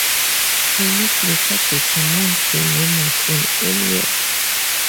Police later determined the name was an alias.